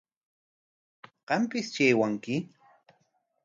Qampistri aywanki.